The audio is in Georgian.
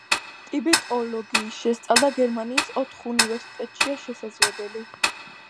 ტიბეტოლოგიის შესწავლა გერმანიის ოთხ უნივერსიტეტშია შესაძლებელი.